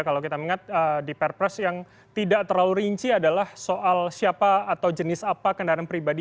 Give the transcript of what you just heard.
kalau kita mengingat di perpres yang tidak terlalu rinci adalah soal siapa atau jenis apa kendaraan pribadi